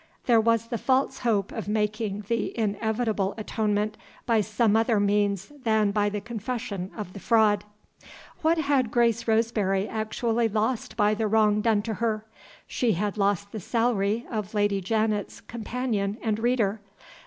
There was the false hope of making the inevitable atonement by some other means than by the confession of the fraud. What had Grace Roseberry actually lost by the wrong done to her? She had lost the salary of Lady Janet's "companion and reader."